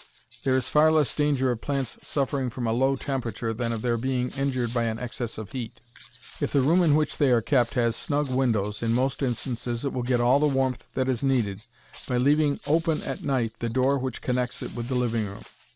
There is far less danger of plants suffering from a low temperature than of their being injured by an excess of heat. If the room in which they are kept has snug windows, in most instances it will get all the warmth that is needed by leaving open at night the door which connects it with the living room.